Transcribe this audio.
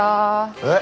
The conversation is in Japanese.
えっ？